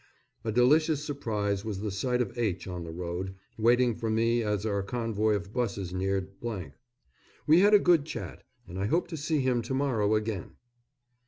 A delicious surprise was the sight of H. on the road, waiting for me as our convoy of buses neared . We had a good chat, and I hope to see him to morrow again.